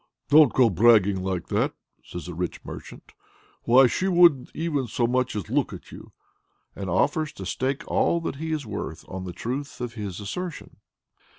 "Don't go bragging like that!" says a rich merchant "why she wouldn't even so much as look at you," and offers to stake all that he is worth on the truth of his assertion.